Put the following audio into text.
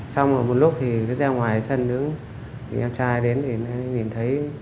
xong rồi một lúc thì cái dao ngoài chân đứng thì em trai đến thì mình thấy